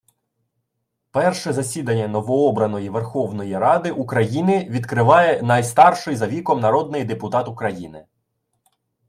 Перше засідання новообраної Верховної Ради України відкриває найстарший за віком народний депутат України.